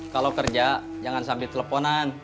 kalau kerja jangan sampai teleponan